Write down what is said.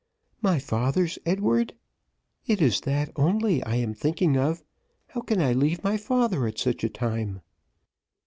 "My father's, Edward, it is that only I am thinking of; how can I leave my father at such a time?"